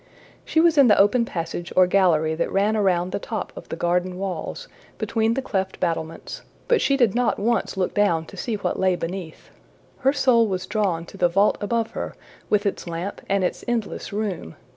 She was in the open passage or gallery that ran around the top of the garden walls, between the cleft battlements, but she did not once look down to see what lay beneath. Her soul was drawn to the vault above her with its lamp and its endless room.